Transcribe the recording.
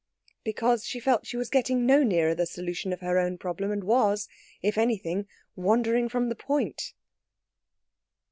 Because she felt she was getting no nearer the solution of her own problem, and was, if anything, wandering from the point.